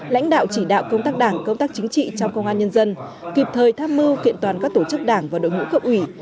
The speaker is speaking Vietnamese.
lãnh đạo chỉ đạo công tác đảng công tác chính trị trong công an nhân dân kịp thời tham mưu kiện toàn các tổ chức đảng và đội ngũ cộng ủy